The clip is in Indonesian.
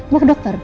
mau ke dokter